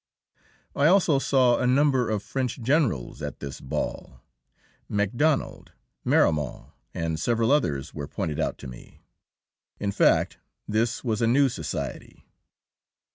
I also saw a number of French generals at this ball. Macdonald, Marmont and several others were pointed out to me. In fact, this was a new society.